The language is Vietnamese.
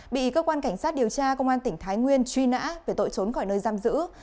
bị cơ quan cảnh sát điều tra công an tỉnh thái nguyên truy nã về tội trốn khỏi nơi giam giữ